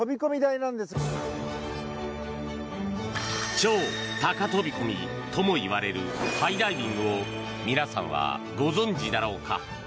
超高飛込ともいわれるハイダイビングを皆さんは、ご存じだろうか？